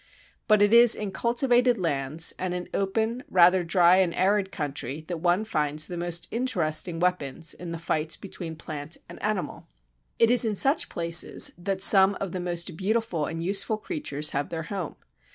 But it is in cultivated lands and in open, rather dry and arid country that one finds the most interesting weapons in the fights between plant and animal. It is in such places that some of the most beautiful and useful creatures have their home.